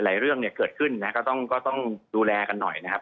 เรื่องเนี่ยเกิดขึ้นนะก็ต้องก็ต้องดูแลกันหน่อยนะครับ